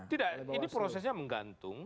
tidak ini prosesnya menggantung